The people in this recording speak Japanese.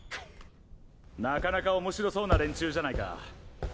なかなかおもしろそうな連中じゃないか。